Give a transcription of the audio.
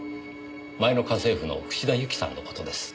前の家政婦の串田ユキさんの事です。